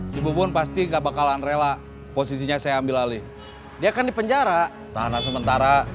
si bubun pasti nggak bakalan rela posisinya saya ambil alih dia kan di penjara tahanan sementara